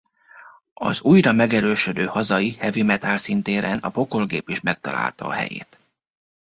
Az újra megerősödő hazai heavy metal színtéren a Pokolgép is megtalálta a helyét.